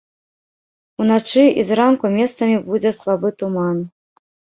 Уначы і зранку месцамі будзе слабы туман.